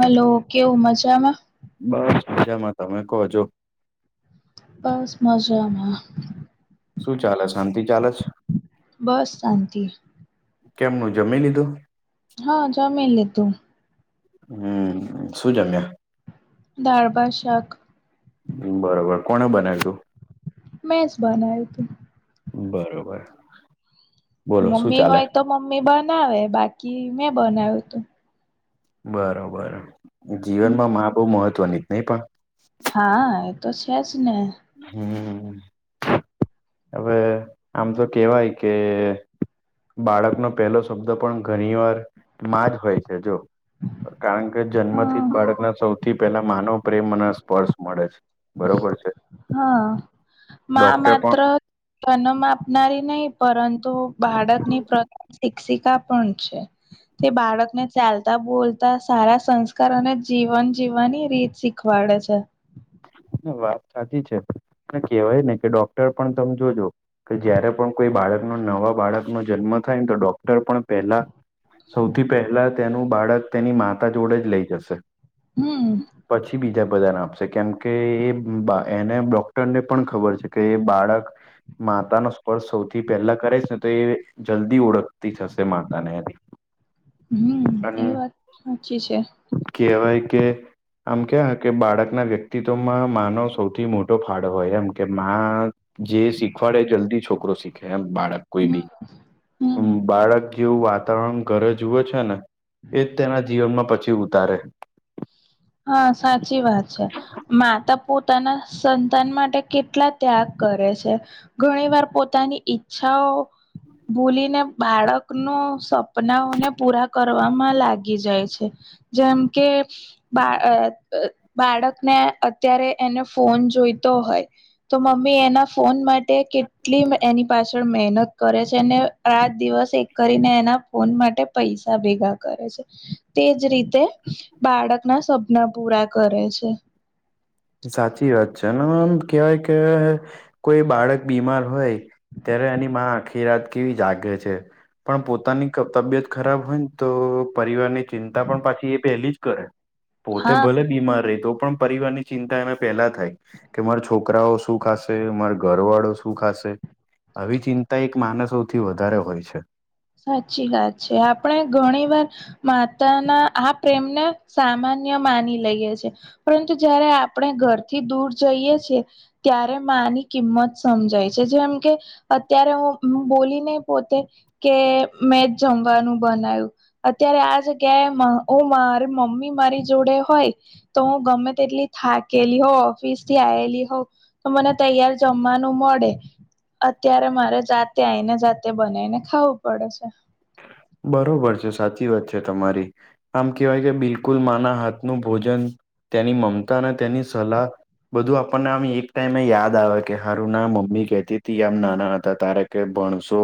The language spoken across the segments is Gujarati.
હલો કેવું મજામાં- બસ બીજામાં તમે કહો છો- બસ મજામાં- શું ચાલે શાંતિ ચાલેસ બસ શાંતિ કેમનું જમી લીધું- હા જમીન લે તું- હમ શું જમ્યા- ધાળભશક- બરોબર કોને બનાવ્યું તું- મેઝ બનાાય હતી- બરોબર- બોલો શું મમ્મી ચાલે હોય તો મમ્મી બનાવે બાકી મેં બનાવ્યું તું- બરોબર જીવનમાં મા બહુ મહત્વની જ નહી પણ- હા એ તો છે જ ને હમ્મ હવે આમ તો કેવાય કે બાળકનો પહેલો શબ્દ પણ ઘણી વાર માં જ હોય છે જો કારણ કે જન્મથી હા જ બાળકના સૌથી પહેલા માનવ પ્રેમ અને સ્પર્શ મળે છે બરોબર છે હા મા ડોક્ટર પણ માત્ર જનમ આપનારી નહી પરંતુ બાળકની પ્ર શિક્ષિકા પણ છે તે બાળકને ચાલતા બોલતા સારા સંસ્કાર અને જીવન જીવવાની રીતી સી શીખવાડે છે વાત સાચી છે કેહેવાય ને કે ડોક્ટર પણ તમે જોજો કે જયારે પણ કોઈ બાળકનો નવા બાળકનો જન્મ થાય ને તો ડોક્ટર પણ પહેલા સૌથી પહેલા તેનું બાળક તેની માતા જોડે જ લઈ જશે હમ્મ પછી બીજા બધા ના આપશે કેમ કે એ એને ડોક્ટરને પણ ખબર છે કે એ બાળક માતા નો સ્પર્શ સૌથી પહેલા કરે છે ને તો એ જલ્દી ઓળખતી થશે માતા ને હમ્મ એ વાત સાચી છે કહેવાય કે આમ કે કે બાળક ના વ્યક્તિ વ્યમાં માનો સૌથી મોટો ફાળો હોય એમ કે જે શીખવાડે જલ્દી છોકરો શીખ કેમ બાળક કોઈ હમ બી હમ બાળક જેવું વાતાવરણ ઘરે જુવે છે ને એ જ તેના જીવનમાં પછી ઉતારે હા સાચી વાત છે માતા પોતાના સંતાન માટે કેટલા ત્યાગ કરે છે ઘણી વાર પોતાની ઈચ્છાઓ ભૂલીને બાળક નો સપનાઓને પૂરા કરવામાં લાગી જાય છે જેમ કે બા બાળકને અત્યારે એને ફોન જોઈતો હોય તો મમ્મી એના ફોન માટે કેટલી એની પાસે મહેનત કરે છે ને રાત દિવસ એક કરીને એના ફોન માટે પૈસા ભેગા કરે છે તેજ રીતે બાળકના સપના પૂરા કરે છે સાચી વાત છે એ આમ કહેવાય કે કોઈ બાળક બીમાર હોય ત્યારે એનીમાં આખી રાત કેવી જાગે છે પણ પોતાની તબિયત ખરાબ હોય ને તો પરિવારની ચિંતા પણ પાછી એ પેલી જ કરે પોતે હા ભલે બીમાર રહી તો પણ પરિવારની ચિંતા એમે પેલા થાય કે મારા છોકરાઓ શું ખાશે મારા ઘર વાળો શું ખાશે આવી ચિંતા એક માનસોથી વધારે હોય છે સાચી વાત છે આપણે ઘણી વાર માતા ના આ પ્રેમને સામાન્ય માની લઈએ છે પરંતુ જયારે આપણે ઘરથી દૂર જઈએ છીએ ત્યારે માની કિંમત સમજાય છે જેમ કે અત્યારે હું બોલીને પોતે કે મેં જમવાનું બનાવ્યું અત્યારે આ જગ્યાએ ઓ મારી મમ્મી મારી જોડે હોય તો હું ગમે તેટલી થાકેલી હોઉ ઓફિસ થી આવેલી હો તો મને તૈયાર જમવાનું મળે અત્યારે મારે જાતે આઈને જાતે બનાને ખાવું પડે છે બરોબર છે સાચી વાત છે તમારી આમ કહેવાય કે બિલકુલ માના હાથનું ભોજન તેની મમતા અને તેની સલાહ બધું આપણને આમ એક ટાઈમે યાદ આવે કે હારુ ના મમ્મી કહેતી તી આમ નાના હતા તારેક કે ભણશો,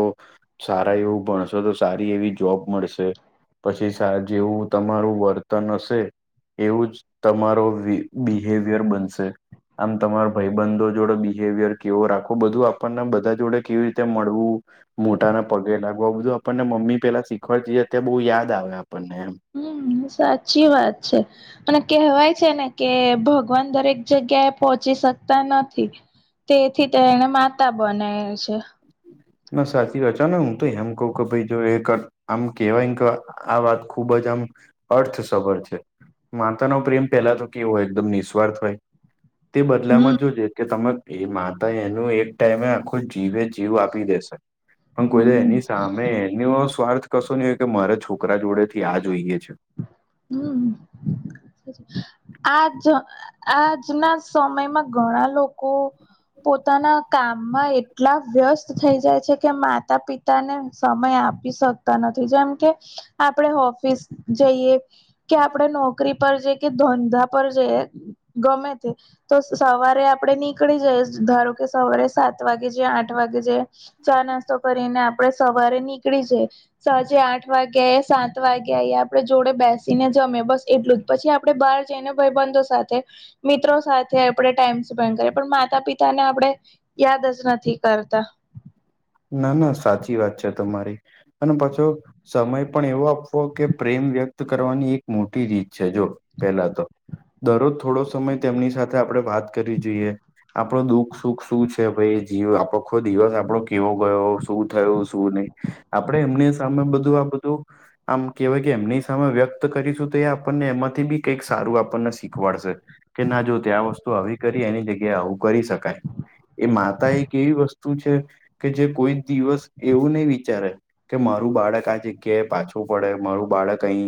સારા એવું ભણશો તો સારી એવી જોબ મળશે. પછી જેવું તમારું વર્તન હશે એવું જ તમારો બિહેવિયર બનશે. આમ તમારો ભાઈબંધો જોડે બિહેવિયર કેવો રાખવું બધું આપણને બધા જોડે કેવી રીતે મળવું મોટાના પગે લાગો આ બધું આપણને મમ્મી પેલા શીખવાડતી અત બહુ યાદ આવે આપણને એમ. હમ્મ, સાચી વાત છે. અને કહેવાય છે ને કે ભગવાન દરેક જગ્યા એ પોહોંચી શકતા નથી. તેથી તે એને માતા બનાયલ છે. ના સાચી વાત છેન હું તો એ આમ કવ કે ભાઈ જો એમ આમ કેવાય કાક આ વાત ખૂબ જ આમ અર્થસભર છે. માતા નો પ્રેમ પહેલા તો કેવો હોય એકદમ નિઃસ્વાર્થ હોય. તે હમ બદલામાં જોજે કે તમે એ માતા એનું એક ટાઈમે આખું જીવે જીવ આપી દે શે. પણ કોઈ તો હમ એની સા મે એનો સ્વાર્થ કશો ની હોય કે મારા છોકરા જોડે થી આ જોઈએ છે. હમ્મ. આજ આજના સમયમાં ઘણા લોકો પોતાના કામમાં એટલા વ્યસ્ત થઈ જાય છે કે માતા પિતા તાને સમય આપી શકતા નથી. જેમ કે આપણે ઓફિસ જઈએ કે આપણે નોકરી પર જ કે ધંધા પર જઈએ ગમે તે તો સવારે આપડે નીકળી જઈ ધારો કે સવારે સાત વાગે જે આઠ વાગે જે ચા નાસ્તો કરીને આપડે સવારે નીકળી જઈ સાજે આઠ વાગ્યા સાત વાગ્યા આપડે જોડે બેસી ને જમે બસ એટલું જ. પછી આપડે બહાર જઈ ને ભાઈબંધો સાથે મિત્રો સાથે આપડે ટાઈમ સ્પેન્ડ કરે પણ માતા પિતા ને આપડે યાદ જ નથી કરતા. ના ના સાચી વાત છે તમારી અને પાછો સમય પણ એવો આપવો કે પ્રેમ વ્યક્ત કરવાની એક મોટી રીત છે જો પેલા તો દરરોજ થોડો સમય તેમની સાથે આપડે વાત કરી જોઈએ. આપણો દુઃખ સુખ શું છે ભાઈ જીવ આપોખો દિવસ આપણો કેવો ગયો, શું થયુ શું નહિ, આપડે એમની સામે બધું આ બધું આમ કહેવાય કે એમની સામે વ્યક્ત કરીશું તો એ આપણને એમાંથી બી કઈક સારું આપ આપણને શીખવાડશે કે ના જો ત્યા આ વસ્તુ આવી કરી એની જગ્યાએ આવું કરી શક કાય. એ માતા એક એવી વસ્તુ છે કે જે કોઈ દિવસ એવું નહી વિચારે કે મારું બાળક આ જગ્યાએ પાછું પડે, મારું બાળક અહી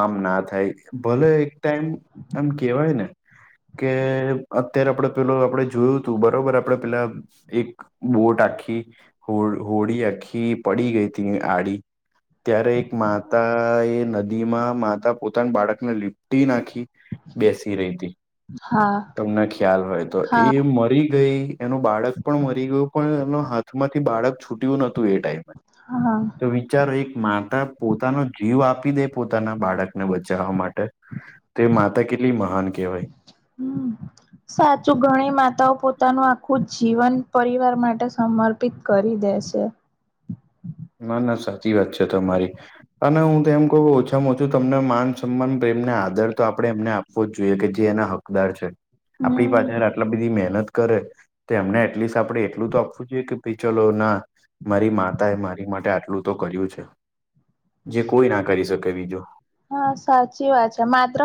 આમ ના થાય ભલે એક ટાઈમ એમ કેવાય ને કે અત્યારે આપડે પેલો આપડે જોયું તું બરોબર આપડે પેલા એક બોટ આખી હો હોડી આખી પડી ગઈ તિ આડી ત્યારે એક માતા એ નદી માં માતા પોતાના બાળકને લીપટી નાખ બેસી રહી તી હા તમને ખ્યાલ હોય તો. હા એ મરી ગઈ એનું બાળક પણ મરી ગયું પણ એના હાથમાંથી બાળક છૂટ્યું નતું એ ટાઈમે. હા. તો વિચારો એક માતા પોતાનો જીવ આપી દે પોતાના બાળકને બચાવવા માટે તે માતા કેટલી મહાન કેહેવાય. હમ્મ. સાચું ઘણી માતાઓ પોતાનું આખું જીવન પરિવાર માટે સમર્પ પિત કરી દે છે. ના ના સાચી વાત છે તમારી. અને હું તો એમ કહુ ઓછામાં ઓછું તમને માન સન્માન પ્રેમને આદર તો આપડે એમને આપ આપવો જ જોઈએ કે જે એના હકદાર છે આપણી હમ પાછળ આટલા બધી મહેનત કરે. તો એમને એટલીસ્ટ આપડે એટલું તો આપવું જોઈએ કે ભાઈ ચલો ના મારી માતાએ મારી માટે આટલું તો કર્યું છે, જે કોઈ ના કરી શકે બીજું. હા, સાચી વાત છે માત્ર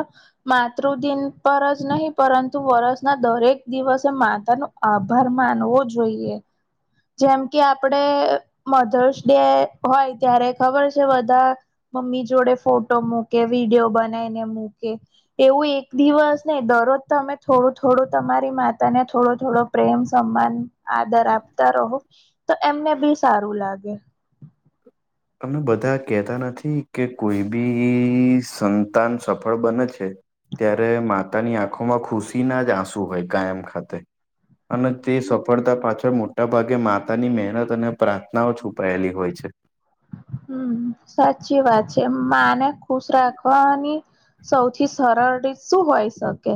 માતૃદિન પર જ નહીં પરંતુ વરષના દરેક દિવસે માતાનું આભાર માનવો જોઈએ. જેમ કે આપડે મધર્સ ડે હોય ત્યારે ખબર છે બધાં મમ્મી જોડે ફોટ ટો મૂકે, વિડીયો બનાઈને મૂકે એવું એક દિવસ નઈ દરરોજ તમે થોડું-થોડું તમારી માતાને થોડો-થોડો પ્રેમ, સન્માન, આદર આપતા રહો. તો એમને બી સારું લાગે. તમને બધા કહેતાં નથી કે કોઈ બી સંતાન સફળ બને છે. ત્યારે માતાની આંખોમાં ખુશી ના જ આંસુ હોય કાયમ ખાતે. અને તે સફળતા પાછળ મોટાભાગે માતાની મહેનત અને પ્રાર્થનાઓ છુપાયેલી હોય છે. હમ્મ, સાચી વાત છે માને ખુશ રાખવાની સૌથી સરળ રીત શું હોય શકે?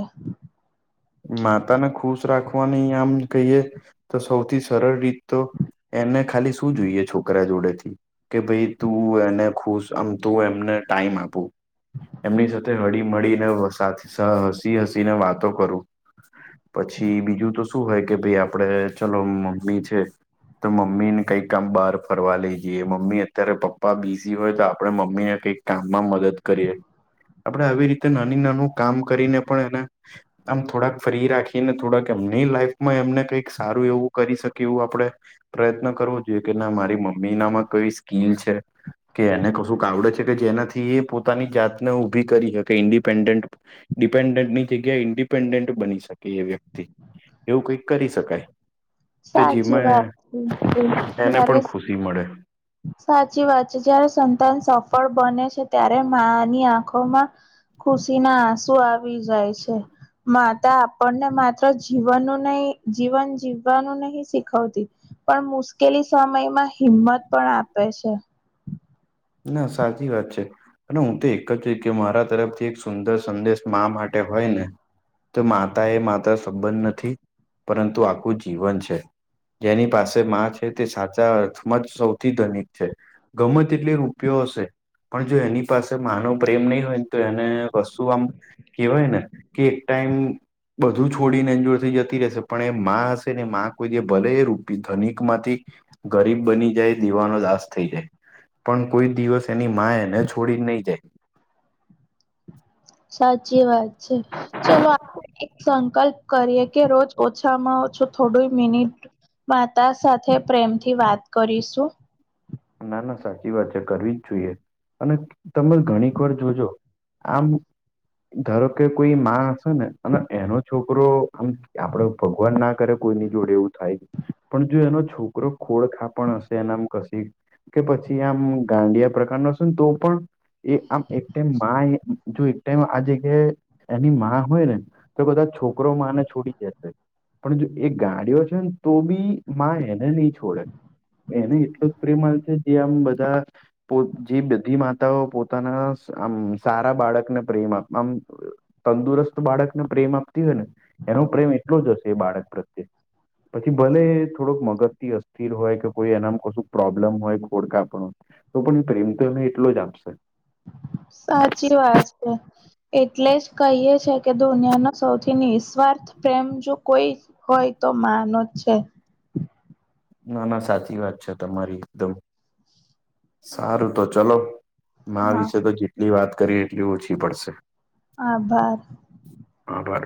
માતાને ખુશ રાખવાની આમ કહીએ તો સૌથી સરળ રીત તો એને ખાલી શું જોઈએ છોકરા જોડેથી? કે ભઈ તું એને ખુશ આમ તું એમને ટાઈમ આપું. એમની સાથે હળીમળીને સાહ હસી હસીને વાતો કરું. પછી બીજું તો શું હોય કે ભાઈ આપડે ચલો મમ્મી છે. તો મમ્મીને કંઈક આમ બહાર ફરવા લઈ જઈએ, મમ્મી અત્યારે પપ્પા બીઝી હોય તો આપણે મમ્મીને કંઈક કામમાં મદદ કરીએ, આપણેે આવી રીતે નાની નાનું કામ કરીને પણ એને આમ થોડાક ફ્રી રાખીને થોડાક એમની લાઈફમાં એમને કઈક સારું એવું કરી શકી એવું આપડે પ્રયત્ન કરવો જોઈએ કે ના મારી મમ્મીનામાં કઈ સ્કીલ છે. કે એને કશુંક આવડે છે કે જેનાથી એ પોતાની જાતને ઊભી કરી હકે ઈન્ડિપેન્ડેન્ટ. ડિપેન્ડન્ટની જગ્યા ઈન્ડિપેન્ડન્ટ બની શકે એ વ્યક્તિ એવું કઈક કરી શકાય. તે સાચી વાત છે જેમાં એને પણ જયારે ખુશી મળે. સાચી વાત છે, જયારે સંતાન સફળ બને છે ત્યારે માની આંખોમાં ખુશીના આંસુ આવી જાય છે. માતા આપને માત્ર જીવનનું નઈ જીવન જીવવાનું નહીં શીખવતી. પણ મુશ્કેલી સમયમાં હિંમત પણ આપે છે. ના, સાચી વાત છે. અને હું તો એક જ કહીશ કે મારા તરફથી એક સુંદર સંદેશ મા માટે હોય ને તો માતાએ માતા સબંધ નથી, પરંતુ આખું જીવન છે. જેની પાસે માં છે તે સાચા અર્થમાં જ સૌથી ધનિક છે ગમે તેટલી રૂ પિયો હશે પણ જો એની પાસે માનો પ્રેમ નઈ હોય ને તો એને કશું આમ કેવાય ને કે એક ટાઈમ બધું છોડીને એન જોડથી જતી રહેશે પણ એ માં હશે ને માં કોઈ જે ભલે રૂપી ધનિકમાંથી ગરીબ બની જાય દેવાનો દાસ થઈ જાય. પણ કોઈ દિવસ એની માં એને છોડી નઈ જાય. સાચી વાત છે. ચલો જાય. આપણે એક સંકલ્પ કરીએ કે રોજ ઓછામાં ઓછું થોડું મિનિટ માતા સાથે પ્રેમથી વાત કરીશું. ના ના સાચી વાત છે કરવી જ જોઈએ અને તમે ઘણીક વાર જોજો. આમ ધારો કે કોઈ માં હશે ને અને એનો છોકરો આમ આપડે ભગવાન ના કરે કોઈની જોડે એવું થાય પણ જો એનો છોકરો ખોળખાપણ હશે એનામ કશી કે પછી આમ ગાંડિયા પ્રકારનો હશેને તો પણ એ આમ એક ટાઈમમાં એ જો એક ટાઈમ આ એની જગ્યા એની માં હોય ને તો કદાચ છોકરો માં ને છોડી જશે. પણ જો એ ગાડયો છે ને, તો બી માં એને નઈ છોળે, એને એટલો. પ્રેમલ છે, જે આમ બધાં પણ જે બધી માતાઓ પોતાના, સ આમ સારા બાળકને પ્રેમ આપે, આમ અ તંદુરસ્ત બાળકને પ્રેમ આપતી હોય ને, એનો પ્રેમ એટલો જ હશે એ બાળક પ્રત્યે. પછી ભલે એ થોળોક મગજ થી અસ્થિર હોય કે કોઈ એનામ કશુંક પ્રોબ્લેમ હોય, ખોડખાંપણ, તો પણ પ્રેમ તો એને એટલો જ આપશે. સાચી વાત એ. એટલે જ કંઈક છે કે, દુનયાનો સૌથી નિસ્વાર્થ પ્રેમ, જો કોઈ જ હોય તો માં નો જ છે. ના, ના, સાચી વાત છે તમારી, એકદમ. સારું, તો ચલો, માં હા વિશે તો જેટલી વાત કરી, એટલી ઓછી પડશે. આભાર. આભાર.